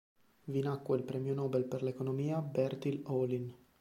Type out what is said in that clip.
Vi nacque il premio nobel per l'economia Bertil Ohlin.